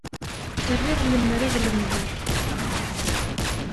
Riɣ lemmer ad lemdeɣ.